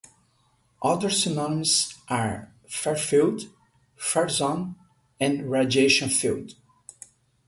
Other synonyms are "far field", "far zone", and "radiation field".